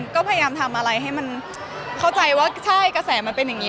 ก็พยายามทำอะไรให้มันเข้าใจว่าใช่กระแสมันเป็นอย่างนี้